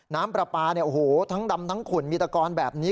น้ำปราปาทั้งดำทั้งขุ่นมิตรกรแบบนี้